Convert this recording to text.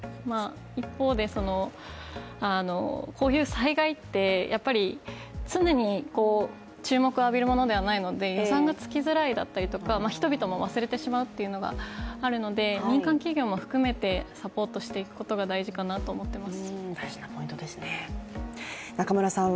一方で、こういう災害って、やっぱり常に注目を浴びるものではないので予算がつきづらいとか人々も忘れてしまうというのがあるので、民間企業も含めてサポートしていくことが大事かなと思ってます。